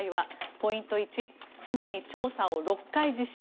ポイント１すでに調査を６回実施。